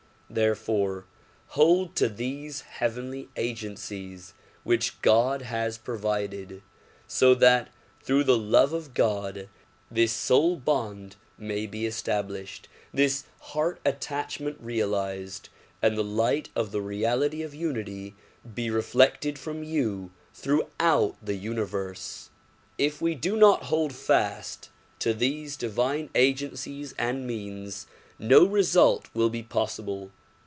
Therefore hold to these heavenly agencies which God has pro vided, so that through the love of God this soul bond may be estab lished, this heart attachment realized and the light of the reality of unity be reflected from you throughout the universe. If we do not hold fast to these divine agencies and means, no result will be possible.